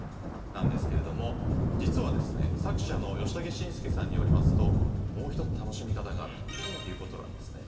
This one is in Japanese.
なんですが実は作者のヨシタケシンスケさんによりますともう１つ、楽しみ方があるということなんですね。